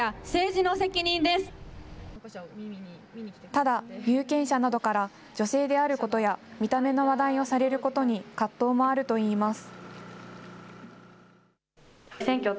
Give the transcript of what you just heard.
ただ、有権者などから、女性であることや、見た目の話題をされることに葛藤もあるといいます。